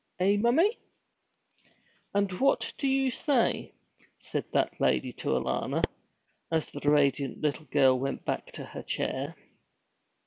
Eh, mommie?' 'And what do you say?' said that lady to Alanna, as the radiant little girl went back to her chair.